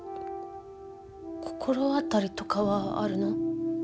心当たりとかはあるの？